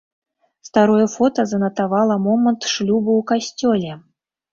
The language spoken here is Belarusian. Старое фота занатавала момант шлюбу ў касцёле.